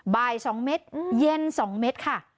บ่าย๒เมตรเย็น๒เมตรค่ะ